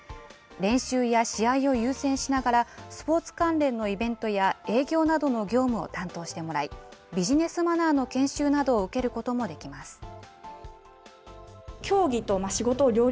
練習や試合を優先しながら、スポーツ関連のイベントや、営業などの業務を担当してもらい、ビジネスマナーの研修などを受けることもできます。